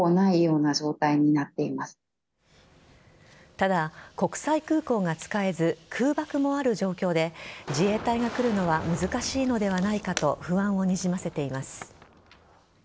ただ、国際空港が使えず空爆もある状況で自衛隊が来るのは難しいのではないかと不安をにじませています。